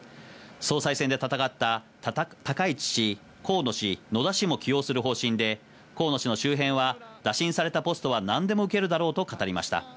総裁選で戦った高市氏、河野氏、野田氏も起用する方針で、河野氏の周辺は打診されたポストは何でも受けるだろうと語りました。